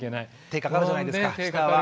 手かかるじゃないですか下は。